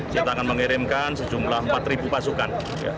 kita akan mengirimkan sejumlah empat pasukan